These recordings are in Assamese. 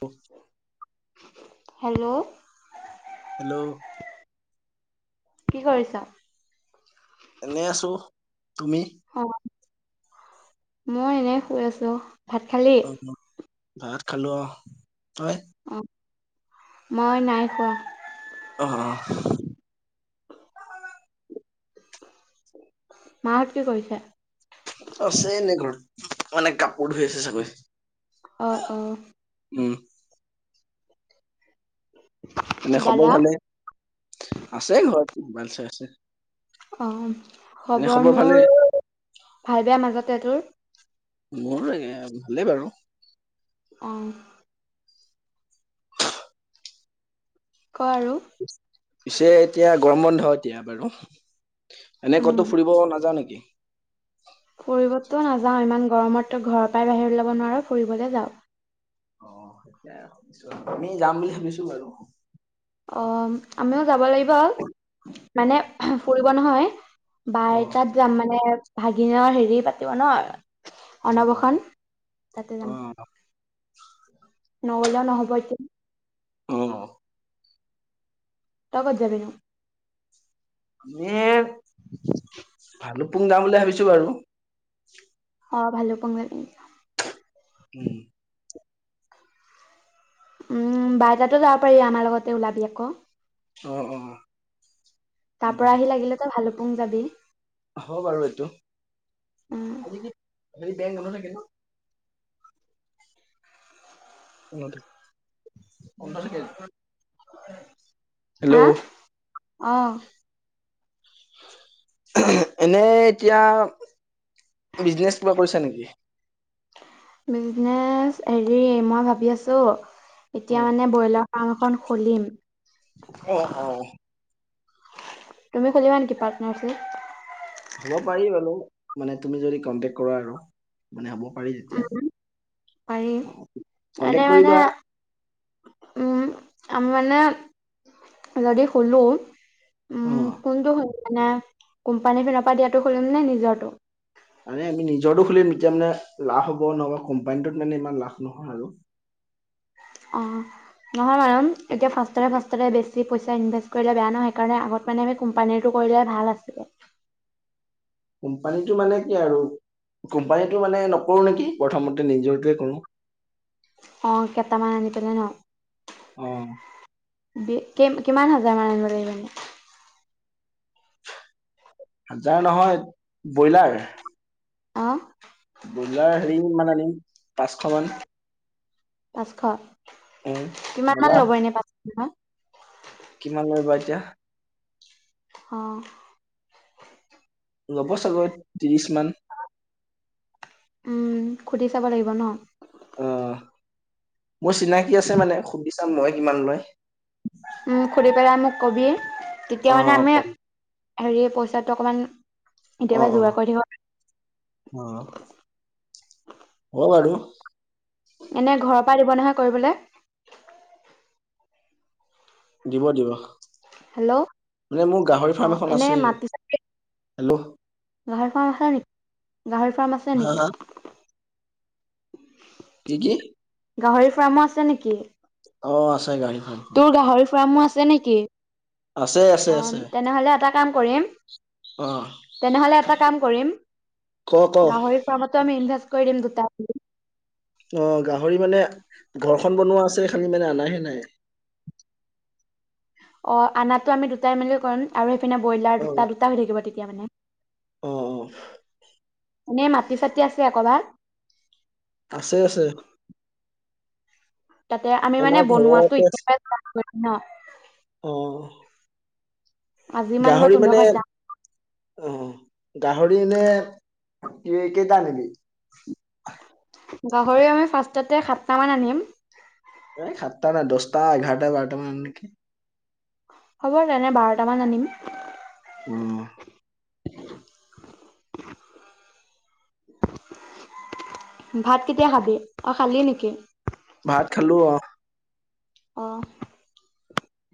অ [inaudible] হেল্ল'- হেল্ল'- কি কৰিছা? এনেই আছো, তুমি? অ মই এনে শুই আছো। ভাত খালি? অ ভাত খালো অ তই- অ, মই নাই কোৱা। আহ মাহঁত কি কৰিছে? আছে এনে ঘৰত, মানে কাপোৰ ধুই আছে চাগৈ অহ-অহ উম এনে খবৰ দাদা? ভালে? আছে ঘৰত মোবাইল চাই আছে। অ, এনে খবৰ ভালে মোৰ ভাল-বেয়া মাজতে, তোৰ? মোৰ এ ভালেই বাৰু। অ ক আৰু পিছে এতিয়া গৰম বন্ধ এতিয়া বাৰু, এনে উম ক'তো ফুৰিব নাযাওঁ নেকি? ফুৰিবতো নাযাওঁ, ইমান গৰমতো ঘৰৰ পৰাই বাহিৰত ওলাব নোৱাৰ, ফুৰিবলে যাওঁ। অ, সেইয়া ভাবিছোঁ আৰু,, আমি যাম বুলি ভাবিছো বাৰু। অ, আমিও যাব লাগিব আও, অ মানে ফুৰিব নহয় বাই অ তাত যাম মানে, ভাগিনৰ হেৰি পাতিব ন অ অন্নপ্ৰশন, তাতে অ অ যাম। নগলে, নহ'ব এতিয়া অ তই ক'ত যাবি নো? আমি এই ভালুকপুং যাম বুলি ভাবিছো বাৰু। অ, ভালোকপুং যাবি। উম উম, বাৰ তাতে যাব পাৰিবি, আমাৰ লগতে ওলাবি আক। অহ-অহ তাৰ পৰা আহি লাগিলে আকৌ ভালুকপুং যাবি। হ'ব বাৰু এইটো, উম আজি কি হেৰি বেংক বন্ধ থাকে ন? অ, টো হা, হেল্ল' অহ এনে এতিয়া বিজনেছ কিবা কৰিছা নেকি? উ [unintelligible] বিজনেছ হেৰি, মই ভাবি আছোঁ অ এতিয়া মানে ব্ৰইলাৰ ফাৰ্ম এখন খুলিম। অ অ তুমি খুলিবা নেকি পাৰ্টনাৰশ্বিপ? হ'ব পাৰি বাৰু, মানে তুমি যদি কন্টেক কৰা আৰু, মানে হ'ব পাৰি তেতিয়া। উম পাৰি, এনে কন্টেক্ট মানে কৰিবা উম, আমি মানে যদি খোলো অ উম, কোনটো মানে কোম্পানীৰ ফালৰ পৰা দিয়াটো কৰিম নে, নিজৰটো? মানে আমি নিজৰতো খুলিম, এতিয়া মানে লাভ হ'ব। নহ'বা কোম্পানীটোত মানে ইমান লাভ নহয় আৰু। অ নহয় মানে, এতিয়া ফাষ্টতে-ফাষ্টতে বেছি পইচা ইনভেষ্ট কৰিলে বেয়া নহয়, সেইকাৰণে আগত মানে আমি কোম্পানীটোৰ কৰিলে ভাল আছিলে। কোম্পানীটো মানে কি আৰু কোম্পানীটো মানে নকৰোঁ নেকি, প্ৰথমতে নিজৰটোৱে কৰোঁ। অ, কেইটামান আনিকিনে ন অ কে কিমান হাজাৰ মান আনিব লাগিব এনে? হাজাৰ নহয়, ব্ৰইলাৰ অহ ব্ৰইলাৰ হেৰি মান আনিম, পাঁচশ মান। পাঁচশ, উম কিমান মান ল'বা ল'ব এনে পাঁচশ কিমান লয় বা এতিয়া? অ'হ ল'ব চাগৈ ত্ৰিশ মান। উম সুধি চাব লাগিব ন? আহ মোৰ চিনাকি আছে মানে, সুধি চাম মই কিমান লয়। উম খুধি পেলাই মোক কবি, তেতিয়া অ মানে অ আমি কম হেৰি পইচাটো অকমান অ এতিয়াবা অ যোগাৰ কৰি থব অ বাৰু এনে ঘৰৰ পৰা দিব নহয় কৰিবলৈ? দিব দিব, হেল্ল' মানে মোৰ গাহৰি অ ফাৰ্ম এখন এনে আছে। মাটি চাটি হেল্ল' গাহৰি ফাৰ্ম আছে নেকি, গাহৰি ফাৰ্ম আছে হা নেকি? হা কি কি? গাহৰি ফাৰ্মো আছে নেকি? অ আছে গাহৰি ফাৰ্মখন তোৰ গাহৰি ফাৰ্মো আছে নেকি? আছে আছে অ' আছে তেনেহলে এটা কাম কৰিম অ তেনেহলে এটা কাম কৰিম, ক ক গাহৰি ফাৰ্মতো আমি ইনভেষ্ট কৰি দিম দুটা। হূ' অ' গাহৰি মানে ঘৰখন বনোৱা আছে, খালি মানে অনাহে নাই। অ আনাটো আমি দুটাই মেলি কৰিম আৰু সেইপিনে ব্ৰইলাৰ, অ দুটা দুটা হৈ থাকিব তেতিয়া মানে। অ অ' এনে মাটি চাটি আছে কবাত? আছে আছে। তাতে আমি মানে আমাৰ বনোৱা টো ঘৰতে এতিয়া আছে পৰা ষ্টাৰ্ত কৰিম ন। অ আজি মান মই তোহতো ঘৰত যাম। অহ গাহৰি এনে কে কেইটা আনিবি? গাহৰি আমি ফাষ্টতে সাতটা মান আনিম। এই সাতটা নাই দহটা, এঘাৰটা, বাৰটা মান আন নেকি? হ'ব তেনে বাৰটামান আনিম। উম' [unintelligible] ভাত কেতিয়া খাবি, অহ খালি নেকি? ভাত খালো অহ' অহ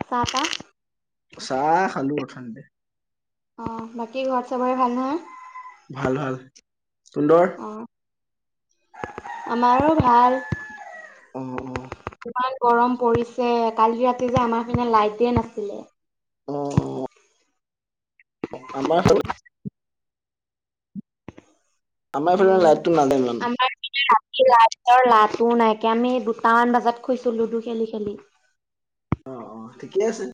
চাহ-টাহ? চাহ খালো অথনিতে। অহ বাকী ঘৰত চাবৰে ভাল নহয়? ভাল ভাল, তোহতৰ অ আমাৰো ভাল। অ অ ইমান গৰম পৰিছে, কালি ৰাতি যে আমাৰ পিনে লাইটে নাছিলে। উম' আমাৰ ফালে আমাৰ এইফালে উম' লাইটটো নাযায় ইমান আমাৰ পিনে ৰাতি ৰাতি লাইতৰ লা টো নাইকা, আমি দুটামান বজাত শুইছো লুডু খেলি-খেলি। অহ অহ' ঠিকেই আছে।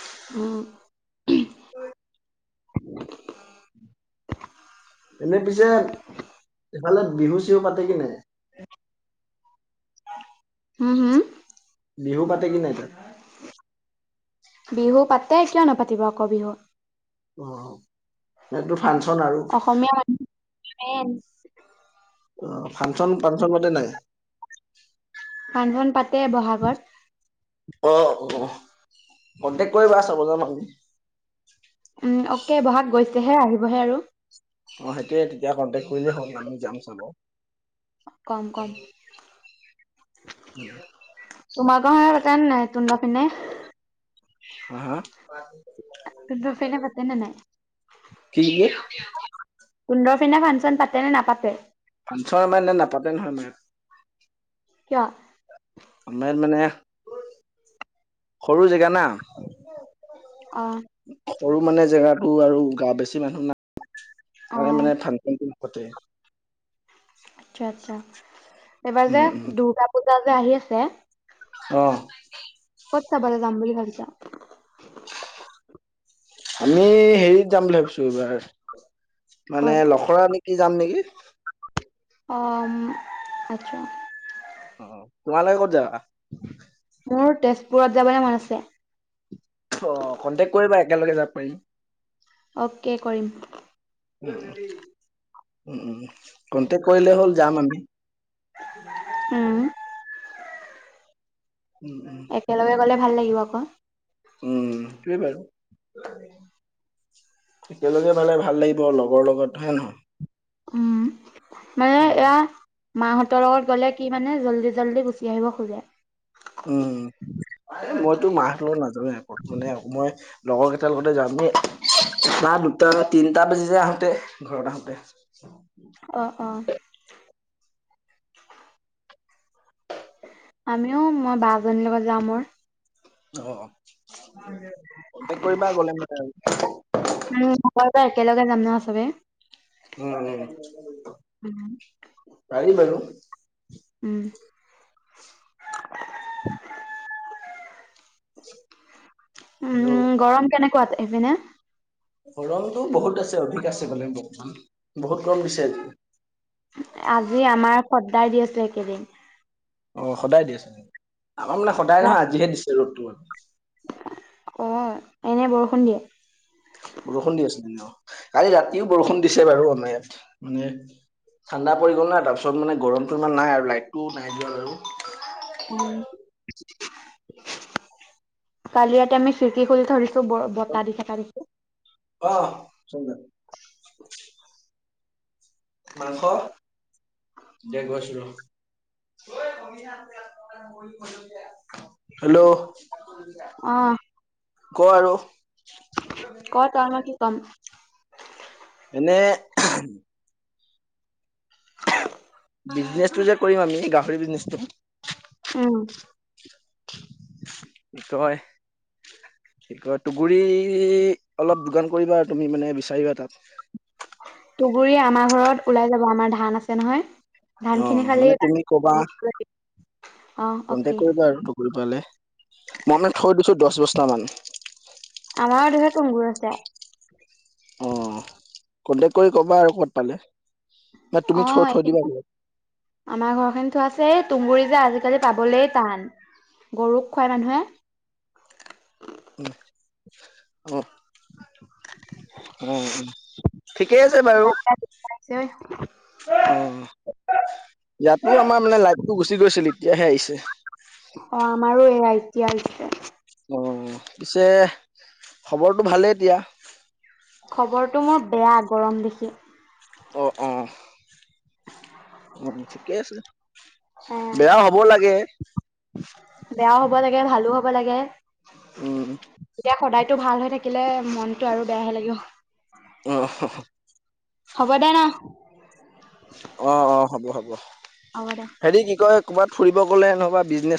উম' এনে পিছে এইফালে বিহু চিহু পাতে কিনে হম হম' বিহু পাতে কি নাই তাত বিহু পাতে কিয় নাপাতিব আকৌ বিহু। অহ ইয়াটো ফাংচন আৰু। তেন অহ ফাংচন- ফাংচন পাতে নাই? ফাংচন পাতে বহাগত অ অ কণ্টেক্ট কৰিবা চাব যাম আমি। উম অকে, ব'হাগ গৈছেহে আহিবহে আৰু। অহ সেইটোয়ে তেতিয়া কণ্টেকট কৰিলেই হ'ল আমি যাম চাব। কম কম তোমাৰ কট কাৰেন্ট নাই তোহতৰ ফালে হা হা। তোত ফালে পাতে নে নাই? বেয়াকে তোতৰ পিনে ফাংচন পাতে নে নাপাতে? ফাংচন মানে নাপাতে নহয় আমাৰ। কিয়? আমাৰ মানে সৰু জেগা না। অ সৰু মানে জেগাটো আৰু গাওঁ বেছি মানুহ অ নাই। আমি মানে থানা মুখতে আচ্ছা আচ্ছা, এইবাৰ উম যে উম দুৰ্গা পূজা যে আহি আছে। অঁহ ক'ত যাবলে যাম বুলি ভাবিছা? আমি হেৰিত যাম বুলি ভাবিছো এইবাৰ। ক'ত মানে লখৰা নেকি যাম নেকি? অ আচ্ছা। অ তোমালোকে ক'ত যাবা? মোৰ তেজপুৰত যাবলৈ মন আছে। অ কণ্টেক্ট কৰিবা একেলগে যাব পাৰিম। অ'কে কৰিম। উ -উ -উ কন্টেক্ট কৰিলে হ'ল যাম আমি। [unintelligible] উম, উম উম একেলগে গ'লে ভাল লাগিব আকৌ। উম তু বাৰু। একেলগে পালে ভাল লাগিব লগৰ লগত হয় নহয়। উম, মানে উম এয়া মাহঁতৰ লগত গ'লে কি মানে জল্দি জল্দি গুচি আহিব খোজে। উম। মইতো মাঁ হতৰ লগত নাজাওই মানে মই লগৰ কেইটাৰ লগতে যামেই। নাই দুটা-তিনটা বাজি যায় আহোতে ঘৰত আহোতে। অঁ অঁ। আমিও মই বা জনীৰ লগত যাম মই। অঁ অঁ। গ'লে মানে আৰু উম উম। তই একেলগে যাম ন চবে। ন -নাই উম, পাৰি বাৰু। উম। উম হেল্ল' উম গৰম কেনেকোৱা এপিনে? গৰমতটো বহুত আছে, অধিক আছে মানে বৰ্তমান। বহুত গৰম দিছে আজি। আজি আমাৰ সদদাই দি আছে একেইদিন। অ সদায় দি আছে নেকি। আমাৰ মানে সদায় নহয় আজিহে দিছে ৰ'দটো। অঁ এনেই বৰষুণ দিয়ে। বৰষুণ দি আছিলে, কালি ৰাতিও বৰষুণ দিছে বাৰু অন ইয়াত মানে- ঠাণ্ডা পৰি গ'ল নাই তাৰপিছত মানে গৰমতটো ইমান নাই আৰু লাইটটো নাই দিয়া আৰু- উ [inaudible] কালি ৰাতি আমি খিৰিকি খুলি থৈ দিছো ব বতাহ দি থাকা দেখি অ সুন্দৰ। মাংস দে গৈছো ৰ। হেল্ল' অ'। ক আৰু? ক তই মই কি ক'ম এনে [unintelligible] বিজনেছটো যে কৰিম আমি গাহৰি বিজনেছটো উম তই কি কয় তুগুৰি অলপ যোগান কৰিবা আৰু তুমি মানে বিচাৰিবা তাত। তুগুৰি আমাৰ ঘৰত ওলাই যাব আমাৰ ধান আছে নহয়। ধান অ খিনি খালি মানে তুমি কবা। অ অকে কণ্টেক্ট কৰিবা আৰু তুগুৰি পালে। মই মানে থৈ দিছো দহ বছটা মান। আমাৰ ধৰত তুংগুৰ আছে। অ কন্টেক কৰি কবা আৰু ক'ত পালে। ন তুমি অ থৈ থৈ দিবা ঘৰত আমাৰ ঘৰ খিনি থোৱা আছে। এই তুমগুৰি যে আজি আজিকালি পাবলে টান গৰুক খুৱাই মানুহে উ অ উ উ ঠিকেই আছে বাৰু। অ ইয়াতো আমাৰ মানে লাইটটো গুচি গৈছিল ই অ আমাৰো এয়া এতিয়া হৈছে। অ পিছে খবৰটো ভালেই এতিয়া? খবৰটো মোৰ বেয়া গৰম দেখি। অ অ কেছ আহ বেয়াও হ'ব লাগে, ভালো হ'ব লাগে উম এতিয়া সদায়তো ভাল হৈ থাকিলে মনতটো আৰু বেয়াহে লাগিব। অহ, হ হ হব দে নহ? অ অ হ'ব হ'ব দে হেৰি কি কয় ক'ৰবাত ফুৰিব গলে নহবা বিজনেচ